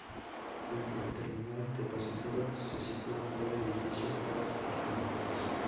Frente al terminal de pasajeros, se sitúa un gran edificio para aparcamientos.